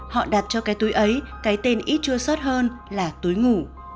họ đặt cho cái túi ấy cái tên ít chua sót hơn là túi ngủ